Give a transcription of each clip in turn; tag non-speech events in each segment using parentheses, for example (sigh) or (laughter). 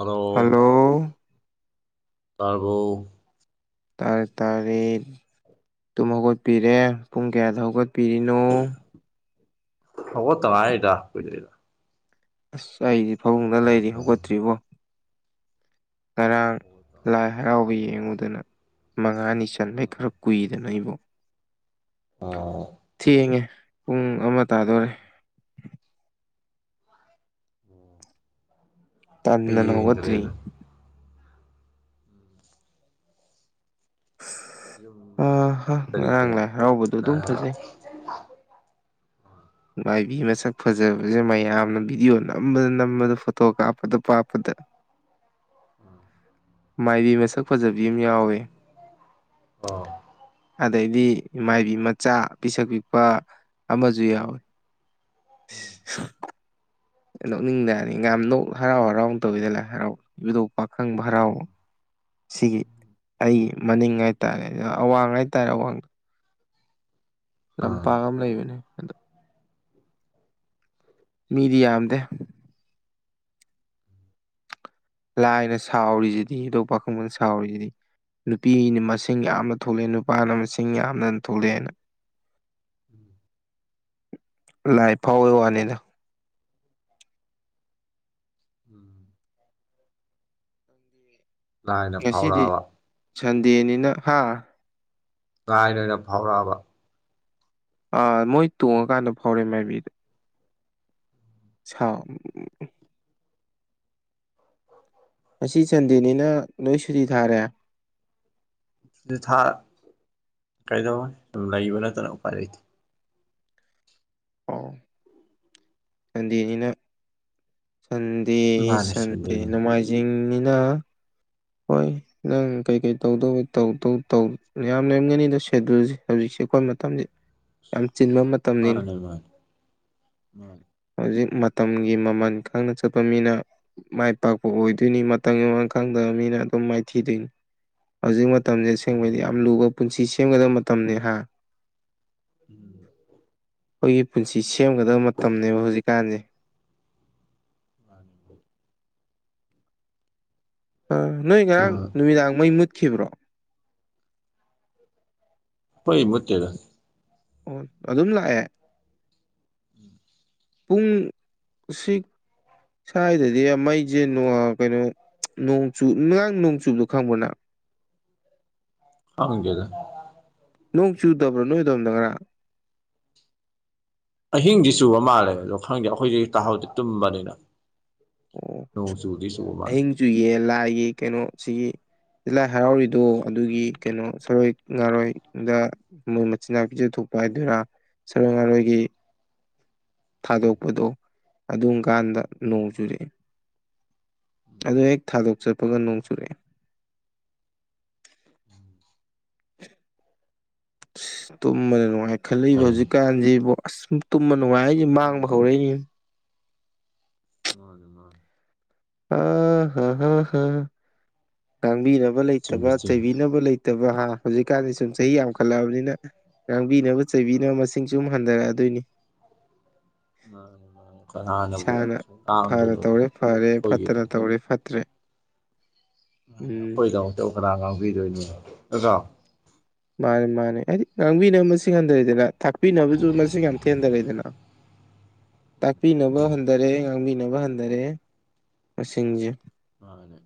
ꯑꯣ ꯍꯜꯂꯣ ꯇꯔꯕꯣ ꯇꯔꯛ ꯇꯔꯤꯦꯠ ꯇꯝ ꯍꯧꯒꯠꯄꯤꯔꯦ ꯄꯨꯡ ꯀꯌꯥꯗ ꯍꯧꯒꯠꯄꯤꯔꯤꯅꯣ ꯍ ꯇꯥꯏꯗꯗ ꯑꯁ ꯑꯩꯗꯤ ꯐꯥꯃꯨꯡꯗ ꯂꯩꯔꯤ ꯍꯧꯒꯠꯄ ꯍꯧꯒꯠꯇ꯭ꯔꯤꯕꯣ ꯉꯔꯥꯡ ꯍꯧꯒꯠꯇ ꯂꯥꯏ ꯉꯥꯏꯔꯤ ꯍꯔꯥꯎꯕ ꯌꯦꯡꯉꯨꯗꯅ ꯃꯉꯥꯅꯤ ꯆꯟꯕꯩ ꯈꯔ ꯀꯨꯏꯗꯅ ꯑꯩꯕꯨꯣ ꯑꯣ ꯊꯦꯡꯉꯦ ꯄꯨꯡ ꯑꯃ ꯇꯥꯗꯣꯔꯦ ꯑꯣꯝ (inaudible) ꯇ ꯅꯪ ꯍꯒꯇꯔꯤ ꯌꯨꯝ ꯑ ꯍ ꯀꯔꯤ ꯉꯔꯥꯡ ꯀꯔꯤ ꯂꯥꯏ ꯍꯔꯥꯎꯕꯗꯣ ꯑꯗꯨꯝ ꯑꯣ ꯐꯖꯩ (inaudible) ꯃꯥꯏꯕꯤ ꯃꯁꯛ ꯐꯖꯕꯁꯦ ꯃꯌꯥꯝꯅ ꯚꯤꯗꯤꯑꯣ ꯅꯝꯕꯗ ꯅꯝꯕꯗ ꯐꯣꯇꯣ ꯀꯥꯞꯄꯗ ꯀꯥꯞꯄꯗ ꯎꯝ ꯃꯥꯏꯕꯤ ꯃꯁꯛ ꯐꯖꯕꯤ ꯑꯃ ꯌꯥꯎꯋꯦ ꯑꯥ ꯑꯗꯩꯗꯤ ꯃꯥꯏꯕꯤ ꯃꯆꯥ ꯄꯤꯁꯛ ꯄꯤꯛꯄ ꯑꯃꯁꯨ ꯌꯥꯎꯏ ꯎꯝ ꯅꯣꯛꯅꯤꯡꯗꯔꯅꯤ ꯉ ꯅ ꯍꯔꯥꯎ ꯍꯔꯥꯎꯅ ꯇꯧꯋꯤꯗ ꯂꯥꯏ ꯍꯔꯥꯎ ꯌꯗꯣꯛ ꯄꯥꯈꯪꯕ ꯍꯔꯥꯎꯕ ꯁꯤꯒꯤ ꯑꯩꯒꯤ ꯃꯅꯤꯡ ꯍꯥꯏꯇꯥꯔꯦ ꯑꯗ ꯑꯋꯥꯡ ꯍꯥꯏꯇꯥꯔꯦ ꯑꯋꯥꯡꯗ ꯑꯥ ꯂꯝꯄꯥꯛ ꯑꯃ ꯂꯩꯕꯅꯦ ꯑꯗꯣ ꯃꯤꯗꯤ ꯌꯥꯝꯗꯦ ꯂꯥꯏꯅ ꯁꯥꯎꯔꯤꯁꯤꯗꯤ ꯍꯗꯣꯛ ꯄꯥꯈꯪꯕꯅ ꯁꯥꯎꯔꯤꯁꯤꯗꯤ ꯅꯨꯄꯤꯅ ꯃꯁꯤꯡ ꯌꯥꯝꯅ ꯊꯣꯛꯂꯛꯑꯦ ꯅꯨꯄꯥꯅ ꯃꯁꯤꯡ ꯌꯥꯝꯅ ꯊꯣꯛꯂꯛꯑꯦꯅ (inaudible) ꯂꯥꯏ ꯐꯥꯎꯋꯦ ꯋꯥꯅꯤꯗ ꯎꯝ (inaudible) ꯂꯥꯏꯅ ꯉꯁꯤꯗꯤ ꯐꯥꯎꯔꯛꯑꯕ ꯁꯟꯗꯦꯅꯤꯅ ꯍꯥ ꯥꯂꯥꯏꯅ ꯑꯣꯏꯅ ꯐꯥꯎꯔꯛꯑꯕ ꯑꯥ ꯃꯣꯏ ꯇꯣꯡꯉꯀꯥꯟꯗ ꯐꯥꯎꯔꯦ ꯃꯥꯏꯕꯤꯗꯨ ꯁꯥꯎ ꯉꯁꯤ ꯁꯟꯗꯦꯅꯤꯅ ꯅꯣꯏ ꯁꯨꯇꯤ ꯊꯥꯔꯦ ꯁꯨꯇꯤ ꯊꯥ ꯀꯩꯗꯧ ꯁꯨꯝ ꯂꯩꯕ ꯅꯠꯇꯅ ꯎꯄꯥꯏ ꯂꯩꯇꯦ ꯑꯥꯎ ꯁꯟꯗꯦꯅꯤꯅ ꯁꯟꯗꯦ ꯃꯥꯅꯦ ꯁꯟꯗꯦ ꯁꯟꯗꯦꯅꯤ ꯅꯣꯡꯃꯥꯏꯖꯤꯡꯅꯤꯅ ꯍꯣꯏ ꯅꯪ ꯀꯩꯀꯩ ꯇꯧꯗꯧꯕ ꯇꯧ ꯌꯥꯝ ꯂꯩꯦꯝꯒꯅꯤꯗꯣ ꯁꯦꯗꯨꯜꯁꯦ ꯍꯧꯖꯤꯛꯁꯦ ꯑꯩꯈꯣꯏ ꯃꯇꯝꯁꯤ ꯌꯥꯝ ꯆꯤꯟꯕ ꯃꯇꯝꯅꯤ ꯃꯥꯅꯦ ꯃꯥꯅꯦ ꯃꯥꯅꯦ ꯍꯧꯖꯤꯛ ꯃꯇꯝꯒꯤ ꯃꯃꯜ ꯈꯪꯅ ꯆꯠꯄ ꯃꯤꯅ ꯃꯥꯏ ꯄꯥꯛꯄ ꯑꯣꯏꯗꯣꯏꯅꯤ ꯃꯇꯝ ꯃꯥꯡ ꯈꯪꯗ ꯃꯤꯅ ꯑꯗꯨꯝ ꯃꯥꯏꯊꯤꯗꯣꯏꯅꯤ ꯍꯧꯖꯤꯛ ꯃꯇꯝꯁꯦ ꯑꯁꯦꯡꯕꯩꯗꯤ ꯃꯥꯅꯦ ꯃꯥꯅꯦ ꯌꯥꯝ ꯂꯨꯕ ꯄꯨꯟꯁꯤ ꯁꯦꯝꯒꯗꯕ ꯃꯇꯝꯅꯤ ꯍꯥ (inaudible) ꯑꯩꯈꯣꯏꯒꯤ ꯄꯨꯟꯁꯤ ꯁꯦꯝꯒꯗꯕ ꯃꯇꯝꯅꯤꯅꯦꯕ ꯍꯧꯖꯤꯛꯀꯥꯟꯁꯦ ꯃꯥꯅꯤ ꯑ ꯅꯣꯏ ꯉꯔꯥꯡ ꯃꯥꯅꯦ ꯅꯨꯃꯤꯗꯥꯡ ꯃꯩ ꯃꯨꯠꯈꯤꯕ꯭ꯔꯣ ꯈꯣꯏ ꯃꯨꯠꯇꯦꯗ ꯑꯣ ꯑꯗꯨꯝ ꯂꯥꯛꯑꯦ (inaudible) ꯄꯨꯡꯁꯤꯛ ꯁ꯭ꯋꯥꯏꯗꯗꯤ ꯃꯩꯁꯦ ꯀꯩꯅꯣ ꯅꯣꯡꯆꯨ ꯑꯥꯉꯥꯡ ꯅꯣꯡꯆꯨꯕꯗꯣ ꯈꯪꯕ ꯅꯪ ꯈꯪꯗꯦꯗ ꯅꯣꯡ ꯆꯨꯗꯕ꯭ꯔꯣ ꯅꯣꯏꯗꯣꯝꯗ ꯉꯔꯥꯡ ꯑꯍꯤꯡꯗꯤ ꯆꯨꯕ ꯃꯥꯜꯂꯦ ꯑꯗꯣ ꯈꯪꯗꯦ ꯑꯩꯈꯣꯏꯗꯤ ꯇꯥꯛꯍꯥꯎꯗꯤ ꯇꯨꯝꯕꯅꯤꯅ ꯑꯣ ꯅꯣꯡ ꯆꯨꯗꯤ ꯆꯨꯕ ꯃꯥꯂꯤ ꯑꯍꯤꯡ ꯆꯨꯏꯌꯦ ꯂꯥꯏꯒꯤ ꯀꯩꯅꯣ ꯁꯤꯒꯤ ꯂꯥꯏ ꯍꯔꯥꯎꯔꯤꯗꯣ ꯑꯗꯨꯒꯤ ꯀꯩꯅꯣ ꯁꯔꯣꯏ ꯉꯥꯔꯣꯏꯗ ꯃꯣꯏ ꯃꯆꯤꯟꯅꯥꯥꯛꯎ ꯄꯤꯖ ꯊꯣꯛꯄ ꯍꯥꯏꯔꯥ ꯁꯔꯣꯏ ꯉꯥꯔꯣꯏꯒꯤ ꯎꯝ ꯊꯥꯗꯣꯛꯄꯗꯣ ꯑꯗꯨꯝ ꯀꯥꯟꯗ ꯅꯣꯡ ꯆꯨꯔꯛꯑꯦ ꯎꯝ ꯎꯝ ꯑꯗꯣ ꯍꯦꯛ ꯊꯥꯗꯣꯛ ꯆꯠꯄꯒ ꯅꯣꯡ ꯆꯨꯔꯛꯑꯦ (inaudible) (inaudible) ꯑꯁ ꯇꯨꯝꯕꯗ ꯅꯨꯡꯉꯥꯏ ꯈꯠꯂꯛꯂꯤꯕ ꯐꯩ ꯍꯧꯖꯤꯛꯀꯥꯟꯁꯤꯕꯨ ꯑꯁ ꯇꯨꯝꯕ ꯅꯨꯡꯉꯥꯏ ꯍꯥꯏ ꯃꯥꯡꯕ ꯎꯝ ꯍꯧꯔꯛꯏ ꯃꯥꯅꯦ ꯃꯥꯅꯦ ꯑ ꯍꯥ ꯍꯥ ꯍꯥ ꯉꯥꯡꯕꯤꯅꯕ ꯆꯨꯝꯃꯤ ꯂꯩꯇꯕ ꯆꯨꯝꯃꯤ ꯆꯩꯕꯤꯅꯕ ꯂꯩꯇ ꯅꯠꯇꯕ ꯍꯥ ꯍꯧꯖꯤꯛꯀꯥꯟꯗꯤ ꯁꯨꯝ ꯆꯍꯤ ꯌꯥꯝꯈꯠꯂꯛꯑꯕꯅꯤꯅ ꯉꯥꯡꯕꯤꯅꯕ ꯆꯩꯕꯤꯅꯕ ꯃꯁꯤꯡꯁꯨ ꯑꯗꯨꯨꯝ ꯍꯟꯊꯔꯛꯑꯗꯣꯏꯅꯤ ꯃꯥꯅꯦ ꯀꯅꯥꯅꯕꯨ ꯏꯁꯥꯅ ꯁꯨꯝ ꯐꯅ ꯇꯥꯝꯗꯣꯏꯅꯣꯗ ꯇꯧꯔꯦ ꯐꯔꯦ ꯑꯩꯈꯣꯏꯒꯤ ꯐꯠꯇꯅ ꯇꯧꯔꯦ ꯐꯠꯇ꯭ꯔꯦ ꯎꯝ ꯑꯩꯈꯣꯏꯗꯃꯛꯇꯧ ꯀꯅꯥ ꯉꯥꯡꯕꯤꯗꯣꯏꯅꯣ ꯅꯇ꯭ꯔꯣ ꯃꯥꯅꯦ ꯃꯥꯅꯦ ꯍꯥꯏꯗꯤ ꯉꯥꯡꯕꯤꯅꯕ ꯃꯁꯤꯡ ꯍꯟꯊꯔꯦꯗꯅ ꯊꯥꯛꯄꯤꯅꯕꯁꯨ ꯃꯁꯤꯡ ꯌꯥꯝ ꯊꯦꯟꯊꯔꯛꯑꯦꯗꯅ (unintelligible) ꯎꯝ ꯇꯥꯛꯄꯤꯅꯕ ꯍꯟꯊꯔꯦ ꯉꯥꯡꯕꯤꯅꯕ ꯍꯟꯊꯔꯦ ꯃꯁꯤꯡꯁꯦ ꯋꯥꯅꯦ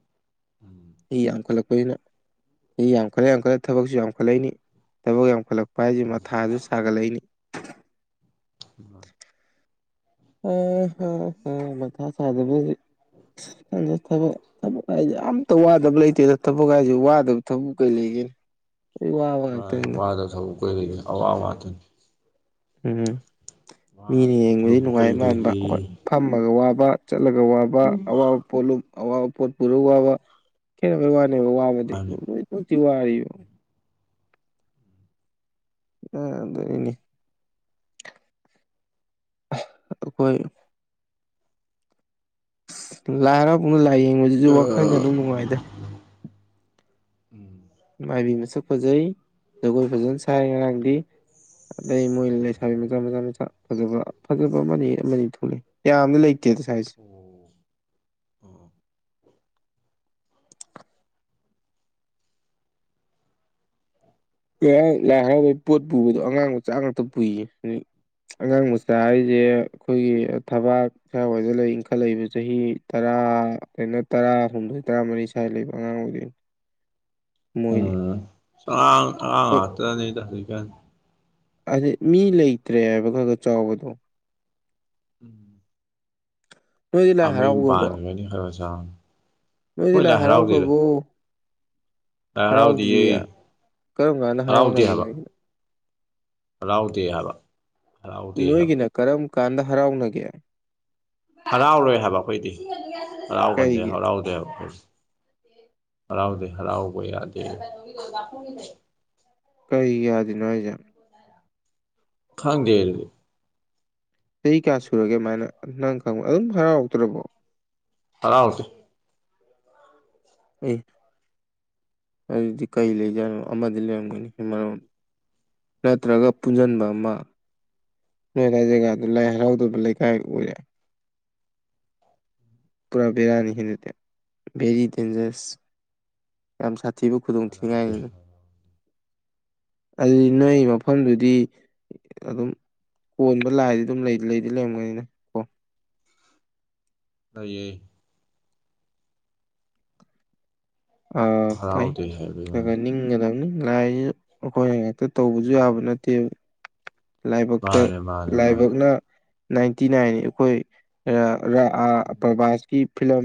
ꯎꯝ ꯑꯩ ꯌꯥꯝꯈꯠꯂꯛꯄꯅꯤꯅ ꯑꯩ ꯌꯥꯝꯈꯠꯂꯦ ꯌꯥꯝꯈꯠꯂꯦ ꯊꯕꯛꯁꯨ ꯌꯥꯝꯈꯠꯂꯛꯏꯅꯤ ꯊꯕꯛ ꯌꯥꯝꯈꯠꯂꯛꯄ ꯚꯥꯏꯁꯦ ꯎꯝ ꯃꯊꯥꯁꯨ ꯁꯥꯒꯠꯂꯛꯏꯅꯤ (inaudible) ꯑ ꯍ ꯍ ꯃꯊꯥ ꯁꯥꯗꯕ ꯑꯗ ꯊꯕꯛ ꯊꯕꯛ ꯍꯥꯏꯁꯦ ꯑꯇ ꯋꯥꯗꯕ ꯂꯩꯇꯦ ꯑꯗꯣ ꯊꯕꯛ ꯍꯥꯏꯥꯏꯁꯦ ꯋꯥꯗꯕ ꯊꯕꯛ ꯀꯩ ꯂꯩꯒꯦꯅ ꯋꯥ ꯋꯥꯇꯅꯦ ꯑꯥꯗꯊꯧ ꯑꯩꯣꯏꯗꯒꯤꯅ ꯑꯋꯥ ꯑꯋꯥꯇꯅꯤ ꯎꯝ ꯃꯤꯅ ꯋꯥꯗꯕ ꯌꯦꯡꯕꯗꯤ ꯊꯕꯛꯄꯨ ꯅꯨꯡꯉꯥꯏ ꯃꯥꯟꯕ ꯀꯩꯗꯒꯤ ꯍꯣꯏ ꯐꯝꯃꯒ ꯋꯥꯕ ꯆꯠꯂꯒ ꯋꯥꯕ ꯑꯋꯥꯕ ꯄꯣꯠꯂ ꯑꯋꯥꯕ ꯄꯣꯠ ꯄꯨꯔꯒ ꯋꯥꯕ ꯋꯥꯅꯦꯕ ꯋꯥꯕꯗꯤ ꯃꯥꯅꯦ ꯂꯣꯏ ꯄꯣꯠꯇꯤ ꯋꯥꯔꯤꯕ ꯑꯗ ꯏꯅꯦ ꯑꯩꯈꯣꯏ ꯂꯥꯏꯑꯔꯄꯥꯎꯅ ꯂꯥꯏ ꯌꯦꯡꯕꯁꯤꯁꯨ ꯋꯥꯈꯜꯒ ꯎꯝ ꯑꯗꯨꯝ ꯅꯨꯡꯉꯥꯏꯗ ꯎꯝ ꯃꯥꯏꯕꯤ ꯃꯁꯛ ꯐꯖꯩ ꯖꯒꯣꯏ ꯐꯖꯅ ꯁꯥ ꯉꯔꯥꯡꯗꯤ ꯎꯝ ꯑꯗꯩ ꯃꯣꯏꯅ ꯂꯩꯁꯥꯕꯤ ꯃꯆꯥ ꯃꯆꯥ ꯃꯆꯥ ꯐꯖꯕ ꯐꯖꯕ ꯑꯃꯅꯤ ꯑꯃꯅꯤ ꯊꯣꯛꯂ ꯌꯥꯝꯅ ꯂꯩꯇꯦ ꯉꯁꯥꯏꯁꯦ ꯑꯣ ꯎ ꯂꯥꯏ ꯍꯔꯥꯎꯕꯩ ꯄꯣꯠ ꯄꯨꯕꯗꯣ ꯑꯉꯥꯡ ꯃ ꯆꯥꯛ ꯉꯥꯛꯇ ꯄꯨꯏꯌꯦ ꯍꯧꯖꯤ ꯑꯉꯥꯡ ꯃꯆꯥ ꯍꯥꯏꯁꯦ ꯑꯩꯈꯣꯏꯒꯤ ꯊꯕꯥꯛ ꯈꯔꯋꯥꯗ ꯂꯩ ꯏꯟꯈꯠꯂꯛꯏꯕ ꯆꯍꯤ ꯇꯔꯥ ꯑꯗꯨꯩꯅ ꯇꯔꯥꯍꯨꯝꯗꯣꯏ ꯇꯔꯥꯃꯔꯤ ꯁ꯭ꯋꯥꯏ ꯂꯩꯕ ꯑꯉꯥꯡ ꯑꯣꯏꯗꯅꯤ ꯃꯣꯏꯅꯤ ꯥꯡ ꯑꯥꯎꯥꯡ ꯑꯇꯅ ꯊ ꯑ ꯃꯤ ꯂꯩꯇ꯭ꯔꯦ ꯍꯥꯏꯕ ꯈꯔ ꯈꯔ ꯆꯥꯎꯕꯗꯣ ꯎꯝ ꯅꯣꯏꯗꯤ ꯂꯥꯏ ꯑꯃꯌꯨꯝ ꯍꯔꯥꯎꯈ꯭ꯔꯕꯣ ꯄꯥꯟꯈ꯭ꯔꯅꯤ ꯍꯜꯂꯣꯁꯥꯡ ꯅꯣꯏꯗꯤ ꯂꯥꯏ ꯍꯔꯥꯎ ꯀꯕꯨꯣ ꯂꯥꯏ ꯍꯔꯥꯎꯗꯤꯌꯦ ꯍꯔꯥꯎꯗ꯭ꯔꯤꯌꯦ ꯀꯔꯝ ꯀꯥꯟꯗ ꯍꯔꯥꯎꯅꯒꯦꯅꯣꯣ ꯍꯔꯥꯎꯗ ꯍꯥꯏꯕ ꯍꯔꯥꯎꯗꯦ ꯍꯥꯏꯕ ꯅꯣꯏꯒꯤꯅ ꯀꯔꯝ ꯀꯥꯟꯗ ꯍꯔꯥꯎꯅꯒꯦ ꯍꯔꯥꯎꯔꯣꯏ ꯍꯥꯏꯕ ꯑꯩꯈꯣꯏꯗꯤ ꯍꯔꯥꯎꯒꯟꯗꯦ ꯀꯩꯒꯤ ꯍꯔꯥꯎꯗꯦꯕ ꯑꯩꯈꯣꯏ ꯍꯔꯥꯎꯗ ꯍꯔꯥꯎꯕ ꯌꯥꯗ ꯀꯩ ꯌꯥꯗꯣꯏꯅꯣ ꯑꯩꯖꯥꯠ ꯈꯪꯗꯦꯗꯤ ꯆꯍꯤ ꯀꯌꯥ ꯁꯨꯔꯒꯦ ꯑꯗꯨꯃꯥꯏꯅ ꯅꯪ ꯈꯪꯕ ꯑꯗꯨꯝ ꯍꯔꯥꯎꯔꯛꯇ꯭ꯔꯕꯣ ꯇꯔꯥ ꯍꯧꯁꯦ ꯑꯩ ꯑꯗꯨꯗꯤ ꯀꯔꯤ ꯂꯩꯖꯥꯠꯅꯣ ꯑꯃꯗꯤ ꯂꯩꯔꯝꯒꯅꯤ ꯃꯔꯣ ꯅꯠꯇ꯭ꯔꯒ ꯄꯨꯟꯁꯤꯟꯕ ꯑꯃ ꯅꯣꯏ ꯂꯥꯏ ꯖꯒꯥꯗꯨ ꯂꯥꯏ ꯍꯔꯥꯎꯗꯕ ꯂꯩꯀꯥꯏ ꯎꯔꯦ ꯄꯨꯔꯥ ꯕꯔꯥꯅꯤ ꯍꯦ ꯦꯔꯤ ꯗꯦꯟꯖꯔꯁ ꯌꯥꯝ ꯁꯥꯊꯤꯕ ꯈꯨꯗꯣꯡ ꯍꯔꯥꯎꯗꯦ ꯊꯤꯉꯥꯏꯅꯤ ꯑꯗꯨ ꯅꯣꯏ ꯃꯐꯝꯗꯨꯗꯤ ꯑꯗꯨꯝ ꯀꯣꯟꯕ ꯂꯥꯏꯗꯤ ꯑꯗꯨꯝ ꯂꯩꯗꯤ ꯂꯩꯔꯝꯒꯅꯤꯅꯦ ꯂꯩꯌꯦ ꯑ ꯍꯔꯥꯎꯗꯦ ꯍꯥꯏꯕꯩ ꯋꯥꯅꯤ ꯇꯥꯏꯅꯤꯡ ꯈꯤꯡꯒꯗꯕꯅꯤ ꯂꯥꯏꯁꯨ ꯑꯩꯈꯣꯏꯅ ꯉꯥꯛꯛꯇ ꯇꯧꯕꯁꯨ ꯌꯥꯕ ꯎꯝ ꯅꯠꯇꯦ ꯂꯥꯏꯕꯛꯇ ꯃꯥꯅꯦ ꯃꯥꯅꯦ ꯃꯥꯅꯦ ꯂꯥꯏꯕꯛꯅ ꯅꯥꯏꯟꯇꯤ ꯅꯥꯏꯟ ꯑꯩꯈꯣꯏ ꯎꯝ ꯄ꯭ꯔꯕꯥꯁ ꯀꯤ ꯐꯤꯂꯝ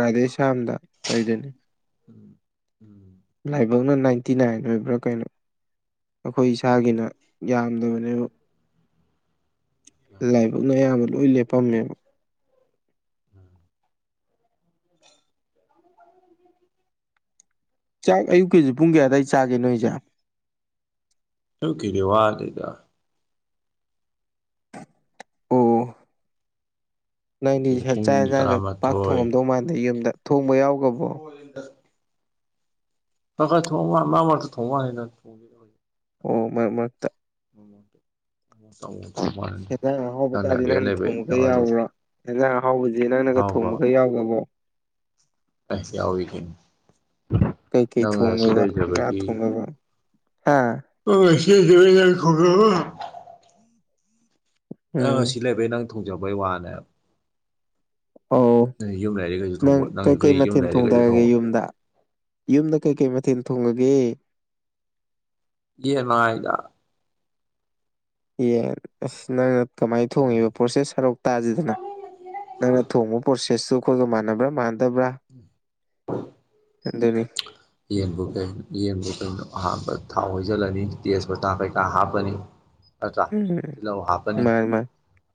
ꯔꯥꯙꯦꯁ꯭ꯝꯗ ꯇꯧꯖꯅꯤ ꯎꯝ ꯎꯝ ꯂꯥꯏꯕꯛꯅ ꯅꯥꯏꯟꯇꯤ ꯅꯥꯏꯟ ꯑꯣꯏꯕ꯭ꯔꯥ ꯀꯩꯅꯣ ꯑꯩꯈꯣꯏ ꯏꯁꯥꯒꯤꯅ ꯌꯥꯝꯗꯕꯅꯦꯕ ꯂꯥꯏꯕꯛꯅ ꯑꯌꯥꯝꯕ ꯂꯣꯏ ꯂꯦꯞꯄꯝꯃꯦꯕ ꯎꯝ ꯆꯥꯛ ꯑꯌꯨꯛꯀꯤ ꯄꯨꯡ ꯀꯌꯥ ꯑꯋꯥꯏ ꯆꯥꯒꯦ ꯅꯣꯏꯁꯦ ꯌꯨꯛꯀꯤꯗꯤ ꯋꯥꯠꯂꯤꯗ ꯑꯣ ꯅꯪꯗꯤ ꯑꯌꯨꯛꯀꯤꯗꯤ ꯆꯥꯛ ꯄꯨꯡ ꯏꯟꯁꯥꯡꯒ ꯄꯥꯛ ꯊꯣꯡꯉꯝꯗꯧ ꯃꯥꯟꯗ ꯌꯨꯝꯗ ꯊꯣꯡꯕ ꯌꯥꯎ ꯂꯤꯗ ꯈꯔ ꯈꯔ ꯊꯣꯡꯉꯣ ꯃꯃꯛꯇ ꯊꯣꯡꯕ ꯋꯥꯅꯤꯗ ꯑꯣ ꯃꯔꯛ ꯃꯔꯛꯇ ꯌꯦꯟꯖꯥꯡ ꯅ ꯔꯦꯟ ꯂꯩꯕꯩ ꯅꯥꯋꯥꯂꯧꯗꯦ ꯑꯦꯟꯖꯥꯡ ꯑꯍꯥꯎꯖꯦ ꯅꯪꯅꯒ ꯊꯣꯡꯕꯒ ꯌꯥꯎꯒꯕꯣ ꯑꯦ ꯌꯥꯎꯏ ꯀꯩꯅꯣ ꯀꯩꯀꯩ ꯅꯪꯅ ꯁꯤ ꯊꯣꯡꯗꯕ ꯉ ꯂꯩꯖꯕꯒꯤ ꯊꯣꯡꯅꯕ ꯍꯥꯥ ꯑꯁ ꯈꯔ (unintelligible) ꯅꯪ ꯎꯝ ꯁꯤ ꯂꯩꯕꯩ ꯅꯪ ꯊꯣꯡꯖꯕꯩ ꯋꯥꯅꯦ ꯑ ꯌꯨꯝ ꯂꯩꯔꯤꯈꯩꯁꯨ ꯅꯪ ꯊꯣꯡꯕ ꯀꯩꯀꯩ ꯀꯩ ꯌꯨꯝ ꯃꯊꯦꯜ ꯂꯩꯔꯤꯈꯩꯁꯨ ꯊꯣꯡꯊꯔꯒꯦ ꯊꯣꯡꯕ ꯌꯨꯝꯗ ꯌꯨꯝꯗ ꯀꯩꯀꯩ ꯃꯊꯦꯜ ꯊꯣꯡꯉꯒꯦ ꯌꯦ ꯃꯉꯥꯏꯗ ꯌꯦꯟ ꯑꯁ ꯅꯪꯅ ꯀꯃꯥꯏꯅ ꯊꯣꯡꯉꯤꯕ ꯄ꯭ꯔꯣꯁꯦꯁ ꯁꯔꯨꯛ ꯇꯥꯁꯤꯗꯅ ꯅꯪꯅ ꯊꯣꯡꯕ ꯄ꯭ꯔꯣꯁꯦꯁꯇꯁꯨ ꯑꯩꯈꯣꯏꯒ ꯃꯥꯟꯅꯕ꯭ꯔꯥ ꯃꯥꯟꯅꯗꯕ꯭ꯔꯥ ꯑꯗꯨꯅꯦ ꯌꯦꯟꯕꯨ ꯀꯩꯅꯣ ꯌꯦꯟꯕꯨ ꯀꯩꯅꯣ ꯑꯍꯥꯟꯕ ꯊꯥꯎ ꯍꯁꯤꯜꯂꯅꯤ ꯇꯦꯖꯄꯇꯥ ꯀꯩꯀꯥ ꯍꯥꯞꯄꯅꯤ (inaudible) ꯑ ꯎꯝ ꯇꯤꯂꯧ ꯍꯥꯄꯅꯤ ꯃꯥꯅꯤ ꯃꯥꯅꯤ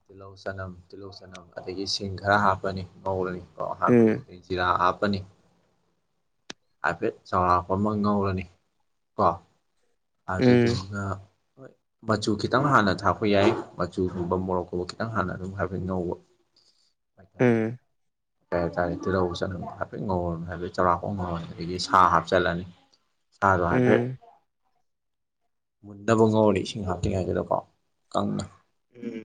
ꯇꯤꯜꯍꯧ ꯆꯅꯝ ꯇꯤꯜꯍꯧ ꯆꯅꯝ ꯑꯗꯒꯤ ꯁꯤꯡ ꯈꯔ ꯍꯥꯞꯄꯅꯤ ꯃꯧꯜꯅꯤ ꯀꯣ ꯑꯍꯥꯟꯕꯒꯤ ꯎꯝ ꯑꯩ ꯖꯤꯔꯥ ꯍꯥꯞꯄꯅꯤ ꯍꯥꯏꯐꯦꯠ ꯆꯥꯎꯔꯥꯛꯄ ꯑꯃ ꯉꯧꯔꯅꯤ ꯀꯣ ꯎꯝ ꯑꯗꯨꯗꯨꯒ ꯍꯣꯏ ꯃꯆꯨ ꯈꯤꯇꯪ ꯍꯥꯟꯅ ꯊꯥꯛꯄ ꯌꯥꯏ ꯃꯆꯨꯒꯨꯝꯕ ꯃꯣꯔꯣꯛꯀꯨꯝꯕ ꯈꯤꯇꯪ ꯍꯥꯟꯅ ꯑꯗꯨꯝ ꯍꯥꯏꯕ ꯉꯧꯕ (inaudible) ꯄꯇꯔꯣꯗꯣ ꯀꯩ ꯍꯥꯏꯇꯥꯔꯦ ꯇꯤꯜꯍꯧ ꯆꯠꯅꯝꯗ ꯍꯥꯏꯐꯦꯠ ꯉꯧꯔ ꯍꯥꯏꯕꯗꯤ ꯆꯥꯎꯔꯥꯛꯄꯣꯡ ꯉꯧꯔꯅꯤ ꯑꯗꯒꯤ ꯁꯥ ꯍꯥꯞꯆꯤꯜꯂꯅꯤ (unintelligible) ꯁꯥꯗꯣ ꯍꯥꯢꯐꯦꯠ ꯎꯝ ꯃꯨꯟꯇꯕ ꯉꯧꯔꯅꯤ ꯏꯁꯤꯡ ꯍꯥꯞꯇ꯭ꯔꯤ ꯉꯩꯗꯨꯗꯀꯣ ꯀꯪꯅ ꯎꯝ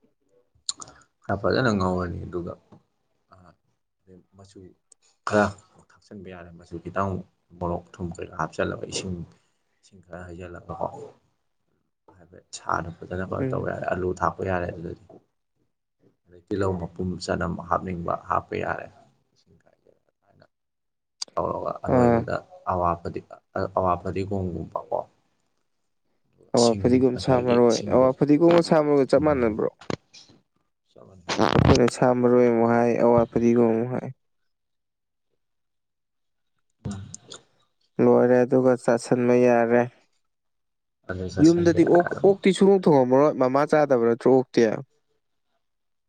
ꯈꯔ ꯐꯖꯅ ꯉꯧꯔꯅꯤ ꯑꯗꯨꯒ ꯃꯆꯨ ꯈꯔ ꯊꯥꯛꯆꯤꯟꯕ ꯌꯥꯔꯦ ꯃꯁꯨ ꯈꯤꯇꯪ ꯃꯣꯔꯣꯛ ꯊꯨꯝ ꯀꯩꯔꯥ ꯍꯥꯞꯆꯜꯂꯒ ꯏꯁꯤꯡ ꯏꯁꯤꯡ ꯈꯔ ꯍꯩꯖꯤꯜꯂꯒꯀꯣ ꯍꯥꯏꯐꯦꯠ ꯁꯥꯅ ꯐꯖꯅ ꯈꯔ ꯇꯧꯦ ꯎꯝ ꯌꯥꯔꯦ ꯑꯂꯨ ꯊꯥꯛꯄ ꯍꯥꯞꯄ ꯌꯥꯔꯦ ꯑꯗꯨꯗꯤ ꯑꯗꯩ ꯇꯤꯜꯍꯧ ꯃꯄꯨꯝ ꯆꯅꯝ ꯍꯥꯞꯅꯤꯡꯕ ꯍꯥꯞꯄ ꯌꯥꯔꯦ ꯁꯤꯀꯥꯏꯖ ꯇꯧꯔꯒ ꯑꯥ ꯑꯔꯣꯏꯕꯗ ꯑꯋꯥꯐꯗꯤ ꯐꯗꯤꯒꯣꯝꯒꯨꯝꯕꯀꯣ ꯑꯋꯥ ꯁꯤꯡ ꯐꯗꯤꯒꯣꯝ ꯁꯥ ꯉꯁꯥꯏꯒꯤ ꯃꯔꯣꯏ ꯁꯤꯡꯗꯣ ꯑꯋꯥ ꯐꯗꯤꯒꯣꯝꯒ ꯁꯥ ꯃꯔꯣꯏꯒ ꯆꯞ ꯎꯝ ꯃꯥꯟꯅꯕ꯭ꯔꯣ ꯆꯃ ꯑꯩꯈꯣꯏꯅ ꯁꯥ ꯃꯔꯔꯣꯏ ꯑꯃꯨꯛ ꯍꯥꯏ ꯑꯋꯥ ꯐꯔꯤꯒꯣ ꯑꯃꯨꯛ ꯍꯥꯏ ꯑ ꯂꯣꯏꯔꯦ ꯑꯗꯨꯒ ꯆꯥꯁꯟꯕ ꯌꯥꯔꯦ ꯑꯗꯨ ꯆꯥꯁꯤꯟꯕ ꯌꯨꯝꯗꯗꯤ ꯌꯥꯔꯦ ꯑꯣ ꯑꯣꯛꯇꯤ ꯁꯨꯡ ꯊꯣꯡꯉꯃꯔꯣꯏ ꯃꯃꯥ ꯆꯥꯗꯕ꯭ꯔꯥ ꯇ꯭ꯔꯣꯛꯇꯦ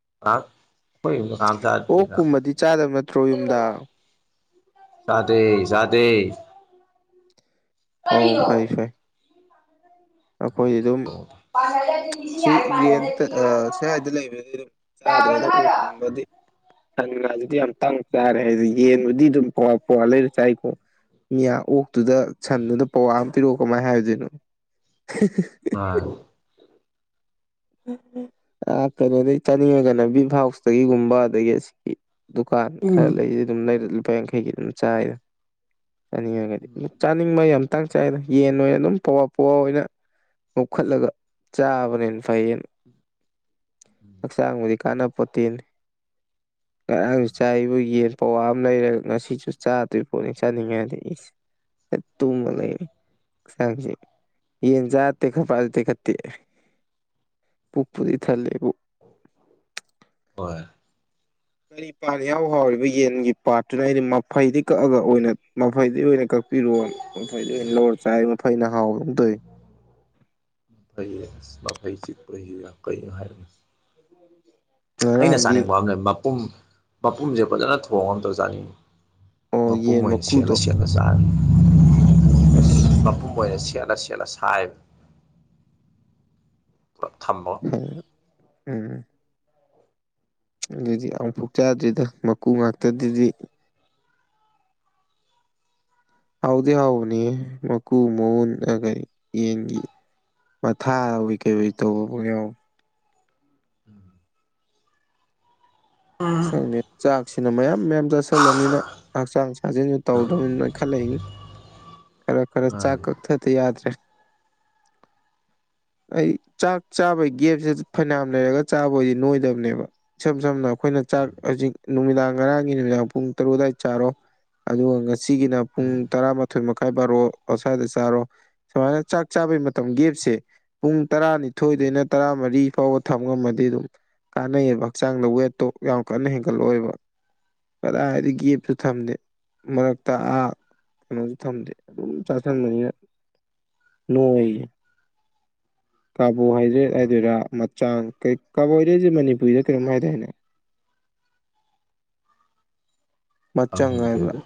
ꯉꯥꯏꯍꯥꯛ ꯑꯩꯈꯣꯏ ꯌꯨꯝꯗ ꯀꯅꯥꯝ ꯑꯣ ꯆꯥꯗꯦꯗ ꯀꯨꯝꯃꯗꯤ ꯆꯥꯗꯕ ꯅꯠꯇ꯭ꯔꯣ ꯌꯨꯝꯗ ꯗꯦ ꯆꯗꯦ ꯑꯣ ꯀꯔꯤꯌꯣ ꯑꯩꯈꯣꯏ ꯑꯗꯨꯝ ꯄꯥꯟꯅꯗ꯭ꯔꯗꯤ ꯂꯤꯁꯤꯡ ꯁꯤ ꯌꯥꯔꯦ ꯔꯦꯟꯇ ꯄꯥꯟꯅꯗ꯭ꯔꯗꯤ ꯁꯋꯥꯏꯗ ꯂꯩꯕꯗꯤ ꯑꯗꯨꯝ ꯆꯥꯗ꯭ꯔꯦꯗ ꯗꯥꯎꯔꯅꯨ ꯍꯥꯏꯔꯣ ꯑꯣꯛꯀꯨꯝꯕꯗꯤ ꯁꯟ ꯉꯥꯁꯤꯗꯤ ꯌꯥꯝ ꯇꯥꯡ ꯆꯥꯔꯦ ꯍꯥꯏꯗꯤ ꯌꯦꯟꯕꯨꯗꯤ ꯑꯗꯨꯝ ꯄ ꯄꯋꯥ ꯂꯩꯔ ꯆꯥꯏꯀꯣ ꯃꯤꯌꯥ ꯑꯣꯛꯇꯨꯗ ꯁꯟꯗꯨꯗ ꯄꯋꯥ ꯑꯃ ꯄꯤꯔꯛꯑꯣ ꯀꯃꯥꯏꯅ ꯍꯥꯏꯗꯣꯏꯅꯣ ꯍ (unintelligible) ꯑ ꯀꯩꯅꯣꯗꯒꯤꯩ ꯆꯥꯅꯤꯡꯉꯒꯩꯅ ꯕꯤꯚ ꯍꯥꯎꯁꯇꯒꯤꯒꯨꯝꯕ ꯑꯗꯒꯤ ꯑꯁꯤꯒꯤ ꯗꯨꯀꯥꯟ ꯈꯔ ꯎꯝ ꯂꯩꯁꯤ ꯑꯗꯨꯝ ꯂꯩ ꯂꯨꯄꯥ ꯌꯥꯡꯈꯩꯒꯤ ꯑꯗꯨꯝ ꯆꯥꯏ ꯆꯥꯅꯤꯡꯉꯒꯗꯤ ꯆꯥꯅꯤꯡꯕ ꯌꯥꯝ ꯇꯥꯡ ꯆꯥꯏꯗ ꯌꯦꯟ ꯑꯣꯏꯅ ꯑꯗꯨꯝ ꯄꯣꯛ ꯄꯣꯛꯑ ꯑꯣꯏꯅ ꯂꯧꯣꯛꯈꯠꯂꯒ ꯆꯥꯕꯅꯦꯅ ꯐꯌꯦꯡ ꯍꯛꯆꯥꯡꯕꯨꯗꯤ ꯀꯥꯟꯅꯕ ꯄꯣꯠꯇꯤꯟ ꯑ ꯎꯝ ꯆꯥꯏꯕ ꯌꯦꯔ ꯄꯋꯥ ꯑꯃ ꯂꯩꯔꯦ ꯉꯁꯤꯁꯨ ꯆꯥꯗꯣꯏ ꯄꯣꯠꯅꯤ ꯆꯥꯅꯤꯡꯉꯦꯗꯤꯁꯦ ꯇꯨꯃ ꯂꯩ ꯆꯥꯡꯁꯤ ꯌꯦꯟ ꯆꯦ ꯈꯄꯜꯇꯦ ꯈꯠꯇꯦ ꯄꯨꯛꯄꯨꯗꯤ ꯊꯜꯂꯦꯕꯨ ꯍꯣꯏ ꯀꯔꯤ ꯄꯥꯟ ꯌꯥꯎ ꯍꯥꯎꯔꯤꯕ ꯌꯦꯟꯒꯤ ꯄꯥꯠꯇꯨꯅ ꯑꯩꯗꯤ ꯃꯐꯩꯗꯤ ꯀꯛꯑꯒ ꯑꯣꯏꯅ ꯃꯐꯩꯗꯤ ꯑꯣꯏꯅ ꯀ ꯄꯤꯔꯣ ꯃꯐꯩꯗ ꯑꯣꯏꯅ ꯂꯧꯔ ꯆꯥꯏ ꯃꯈꯐꯩꯅ ꯍꯥꯎꯕꯝ ꯇꯧꯏ ꯁ ꯐ ꯆꯄ ꯀ ꯍꯥꯏ ꯑꯗꯨ ꯑꯩꯅ ꯉꯔꯥꯡꯗꯤ ꯆꯥꯅꯤꯡꯕꯝꯅꯦ ꯃꯄꯨꯝ ꯃꯄꯨꯝꯁꯦ ꯐꯖꯅ ꯊꯣꯡꯉ ꯑꯝꯇꯧ ꯆꯥꯅꯤꯡꯉꯤ ꯑꯣ ꯃꯄꯨꯝ ꯌꯦꯟ ꯑꯣꯏꯅ ꯁꯦꯠꯂ ꯃꯀꯨꯗꯣ ꯁꯦꯠꯂ ꯆꯥꯔꯃꯤ ꯑꯁ ꯃꯄꯨꯝ ꯑꯣꯏꯅ ꯁꯦꯠꯅ ꯁꯦꯠꯅ ꯁꯥꯏꯕ ꯄꯨꯂꯞ ꯊꯝꯕ ꯍ ꯎꯝ ꯑꯗꯨꯗꯤ ꯑꯃꯨꯐꯛ ꯆꯥꯗ꯭ꯔꯤꯗ ꯃꯀꯨ ꯉꯥꯛꯇꯗꯨꯗꯤ ꯍꯥꯎꯗꯦ ꯍꯥꯎꯅꯦ ꯃꯀꯨ ꯃꯧꯟ ꯎꯝ ꯑꯒ ꯌꯦꯅꯤꯡ ꯃꯊꯥꯏ ꯀꯩ ꯇꯧꯕ ꯌꯥꯎ ꯎꯝ ꯁꯪꯉꯦ ꯆꯥꯛꯁꯤꯅ ꯃꯌꯥꯝ ꯃꯌꯥꯝ ꯆꯥꯁꯤꯜꯂꯕꯅꯤꯅ ꯍꯛꯆꯥꯡ ꯁꯥꯖꯟꯁꯨ ꯇꯧꯗ꯭ꯔꯕꯅꯤꯅꯣꯏ ꯈꯜꯂꯛꯏ ꯈꯔ ꯈꯔ ꯆꯥꯛ ꯃꯥꯅꯤ ꯀꯛꯊꯗꯤ ꯌꯥꯗ꯭ꯔꯦ ꯑꯩ ꯆꯥꯛ ꯆꯥꯕꯒꯤ ꯒꯦꯞꯁꯤ ꯐꯅꯝ ꯂꯩꯔꯒ ꯆꯥꯕꯣꯏꯗꯤ ꯅꯣꯏꯗꯕꯅꯦꯕ ꯁꯝ ꯁꯝꯅꯈꯣꯏ ꯆꯥꯛ ꯍꯧꯖꯤꯛ ꯅꯨꯃꯤꯗꯥꯡ ꯉꯔꯥꯡꯒꯤ ꯅꯨꯃꯤꯗꯥꯡ ꯄꯨꯡ ꯇꯔꯨꯛ ꯑꯗꯨꯋꯥꯏ ꯆꯥꯔꯣ ꯑꯗꯨꯒ ꯉꯁꯤꯒꯤꯅ ꯎꯝ ꯄꯨꯡ ꯇꯔꯥ ꯃꯥꯥꯊꯣꯏ ꯃꯈꯥꯏ ꯕꯥꯔꯣ ꯑꯁ꯭ꯋꯥꯏꯗ ꯆꯥꯔꯣ ꯁꯨꯃꯥꯏꯅ ꯆꯥꯛ ꯆꯥꯕꯩ ꯃꯇꯝ ꯒꯦꯞꯁꯦ ꯄꯨꯡ ꯇꯔꯥꯅꯤ ꯎꯝ ꯊꯣꯏꯗꯩꯅ ꯇꯔꯥꯃꯔꯤ ꯐꯥꯎꯕ ꯊꯝ ꯉꯝꯃꯗꯤ ꯑꯗꯨꯝ ꯀꯥꯟꯅꯩꯑꯕ ꯍꯛꯆꯥꯡꯗ ꯋꯦꯠꯇꯣ ꯌꯥꯝ ꯀꯟꯅ ꯍꯦꯟꯒꯠꯂꯛꯑꯣꯏꯕ ꯀꯗꯥꯏꯗꯤ ꯒꯦꯞꯁꯨ ꯊꯝꯗꯦ ꯃꯔꯛꯇ ꯑ ꯀꯩꯅꯣꯁꯨ ꯊꯝꯗꯦ ꯑꯗꯨꯝ ꯆ ꯁꯅꯨꯡꯉꯌꯦ ꯀꯥꯕꯣ ꯍ ꯎꯝ ꯍꯥꯏꯗ꯭ꯔꯦꯠ ꯃꯥ ꯍꯥꯏꯗꯣꯏꯔꯥ ꯃꯆꯥꯡ ꯀꯩ ꯀꯥꯕꯣ ꯍ ꯍꯥꯏꯗ꯭ꯔꯦꯠꯁꯦ ꯃꯅꯤꯄꯨꯔꯤꯗ ꯀꯩꯅꯝ ꯍꯥꯏꯗꯦꯅꯦ ꯃꯆꯪꯥꯏꯕ꯭ꯔꯥ ꯈꯪꯗꯦꯗ